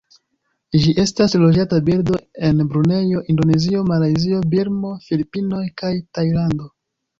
Ĝi estas loĝanta birdo en Brunejo, Indonezio, Malajzio, Birmo, Filipinoj kaj Tajlando.